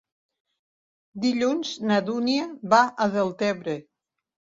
Dilluns na Dúnia va a Deltebre.